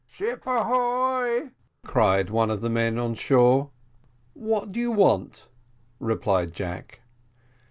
"Ship ahoy!" cried one of the men on shore. "What do you want?" replied Jack.